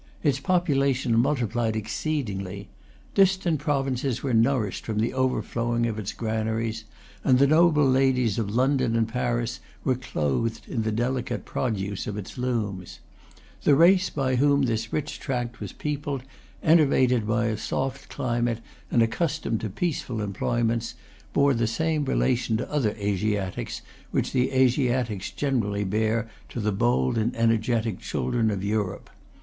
Its population multiplied exceedingly. Distant provinces were nourished from the overflowing of its granaries—and the noble ladies of London and Paris were clothed in the delicate produce of its looms, The race by whom this rich tract was peopled, enervated by a soft climate and accustomed to peaceful employments, bore the same relation to other Asiatics which the Asiatics generally bear to the bold and energetic children of Europe.